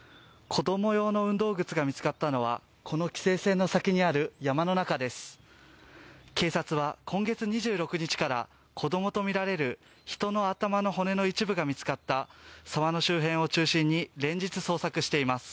子供用の運動靴が見つかったのはこの規制線の先にある山の中です、警察は今月２６日から子供とみられる人の頭の骨の一部が見つかった沢の周辺を中心に、連日捜索しています。